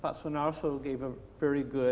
pak sunar so memberikan